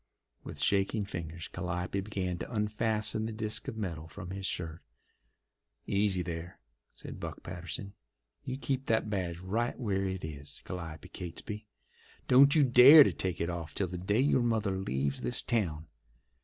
With shaking fingers Calliope began to unfasten the disc of metal from his shirt. "Easy there!" said Buck Patterson. "You keep that badge right where it is, Calliope Catesby. Don't you dare to take it off till the day your mother leaves this town.